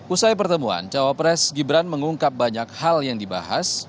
usai pertemuan cawapres gibran mengungkap banyak hal yang dibahas